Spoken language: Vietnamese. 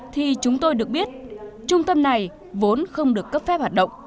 thì chúng tôi được biết trung tâm này vốn không được cấp phép hoạt động